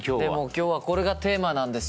今日はこれがテーマなんですよ。